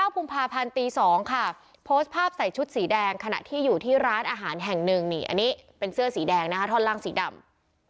กุมภาพันธ์ตี๒ค่ะโพสต์ภาพใส่ชุดสีแดงขณะที่อยู่ที่ร้านอาหารแห่งหนึ่งนี่อันนี้เป็นเสื้อสีแดงนะคะท่อนล่างสีดำ